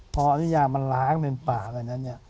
พออริยามันล้างเป็นป่าไปนั้นเนี่ย